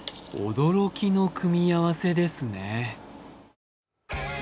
驚きの組み合わせですね。